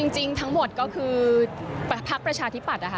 จริงทั้งหมดก็คือพักประชาธิปัตย์นะคะ